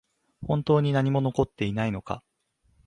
本当に何も残っていないのか？